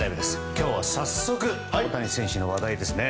今日は早速、大谷選手の話題ですね。